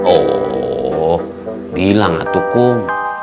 oh bilang lah kum